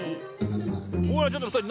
おいちょっとふたり